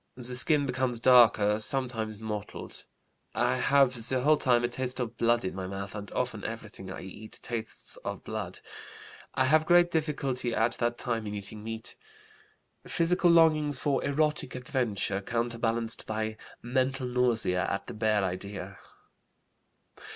The skin becomes darker, sometimes mottled. I have the whole time a taste of blood in my mouth and often everything I eat tastes of blood. I have great difficulty at that time in eating meat. Physical longings for erotic adventure, counterbalanced by mental nausea at the bare idea.